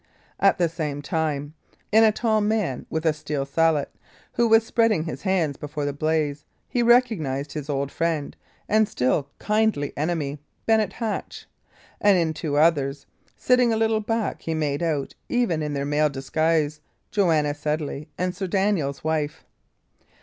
At the same time, in a tall man with a steel salet, who was spreading his hands before the blaze, he recognised his old friend and still kindly enemy, Bennet Hatch; and in two others, sitting a little back, he made out, even in their male disguise, Joanna Sedley and Sir Daniel's wife.